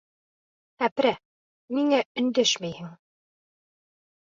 Һәпрә, ниңә өндәшмәйһең?